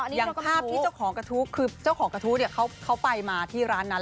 อันนี้เราก็ไม่รู้คือเจ้าของกระทู้เขาไปมาที่ร้านนั้น